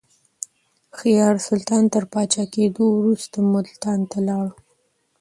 حيار سلطان تر پاچا کېدو وروسته ملتان ته ولاړ.